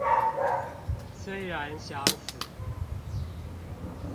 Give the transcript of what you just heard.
雖然想死